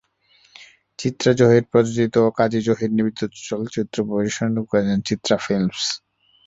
চিত্রা জহির প্রযোজিত ও কাজী জহির নিবেদিত চলচ্চিত্রটি পরিবেশনা করেছে চিত্রা ফিল্মস।